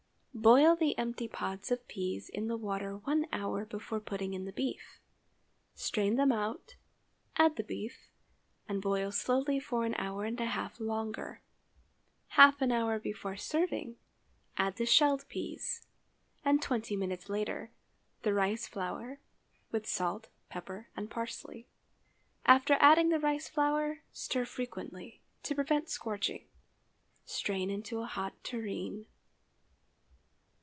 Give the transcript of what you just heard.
Boil the empty pods of the peas in the water one hour before putting in the beef. Strain them out, add the beef, and boil slowly for an hour and a half longer. Half an hour before serving, add the shelled peas; and twenty minutes later, the rice flour, with salt, pepper and parsley. After adding the rice flour, stir frequently, to prevent scorching. Strain into a hot tureen.